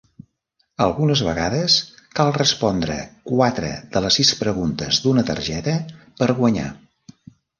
Algunes vegades cal respondre quatre de les sis preguntes d'una targeta per guanyar.